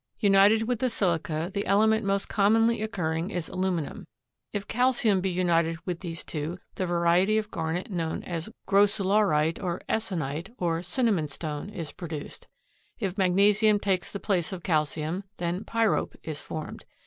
United with the silica the element most commonly occurring is aluminum. If calcium be united with these two the variety of garnet known as grossularite, or essonite, or cinnamon stone, is produced. If magnesium takes the place of calcium, then pyrope is formed.